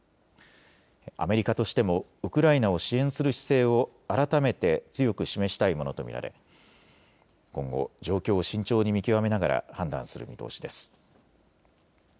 アメリカとしてもウクライナを支援する姿勢を改めて強く示したいものと見られ今後、状況を慎重に見極めながら判断する見通しです。